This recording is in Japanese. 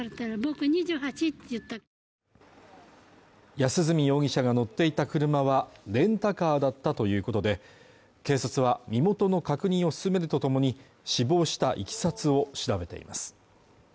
安栖容疑者が乗っていた車はレンタカーだったということで警察は身元の確認を進めるとともに死亡したいきさつを調べています